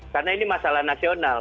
karena ini masalah nasional